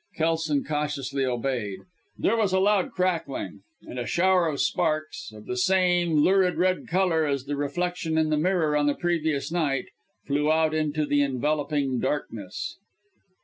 Kelson cautiously obeyed. There was a loud crackling and a shower of sparks, of the same lurid red colour as the reflection in the mirror on the previous night, flew out into the enveloping darkness.